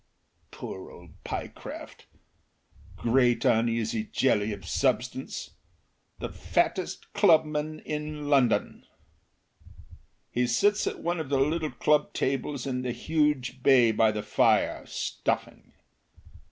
Poor old Pyecraft! Great, uneasy jelly of substance! The fattest clubman in London. He sits at one of the little club tables in the huge bay by the fire, stuffing.